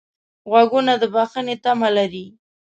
غوږونه د بښنې تمه لري